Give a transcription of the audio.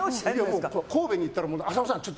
神戸に行ったら浅野さん